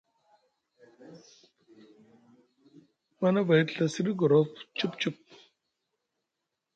Manavay te Ɵa siɗi gorof sup sup.